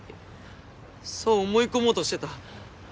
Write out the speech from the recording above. そう思い込もうとしてた。